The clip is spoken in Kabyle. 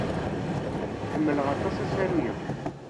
Ḥemmleɣ aṭas asaru-a.